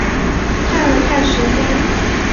看了看时间